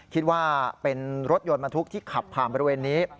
คิดว่าเป็นรถยนต์บรรทุกที่ขับผ่านบริเวณนี้